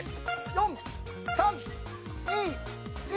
４３２１。